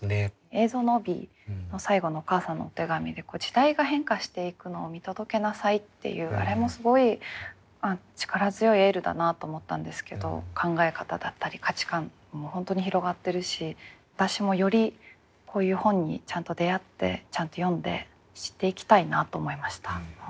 映像の帯の最後のお母さんのお手紙で「時代が変化していくのを見届けなさい」っていうあれもすごい力強いエールだなと思ったんですけど考え方だったり価値観も本当に広がってるし私もよりこういう本にちゃんと出会ってちゃんと読んで知っていきたいなと思いました。